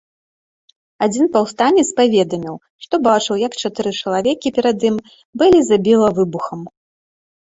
Адзін паўстанец паведаміў, што бачыў як чатыры чалавекі перад ім былі забіла выбухам.